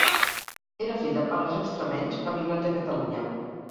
Era fill de pares extremenys emigrats a Catalunya.